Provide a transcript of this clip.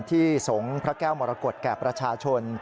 ที่สงฆ์พระแก้วมรกฏแก่ประชาชน